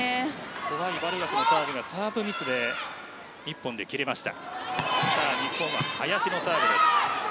怖いバルガスのターンはサーブミスで１本で切れました。